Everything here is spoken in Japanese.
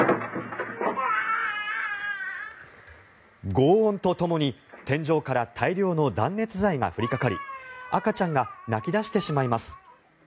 ごう音とともに天井から大量の断熱材が降りかかり赤ちゃんが泣き出してしまいます。